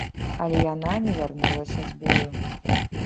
Але яна не вярнулася з бою.